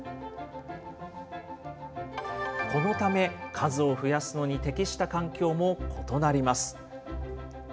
このため、数を増やすのに適した環境も異なります。